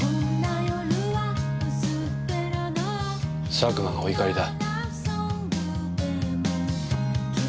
佐久間がお怒りだ。